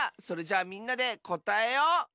それじゃあみんなでこたえよう！